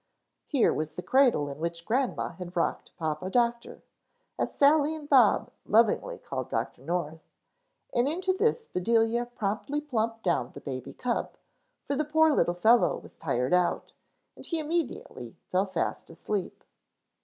Here was the cradle in which grandma had rocked Papa Doctor, as Sally and Bob lovingly called Dr. North, and into this Bedelia promptly plumped down the baby cub, for the poor little fellow was tired out, and he immediately fell fast asleep.